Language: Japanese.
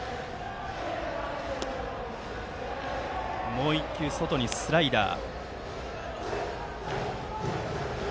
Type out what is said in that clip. もう１球、外にスライダー。